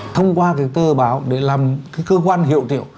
thông qua cái tơ báo để làm cái cơ quan hiệu tiểu